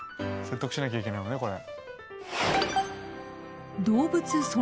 説得しなきゃいけないのねこれ。